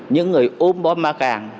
những người ôm bó ma càng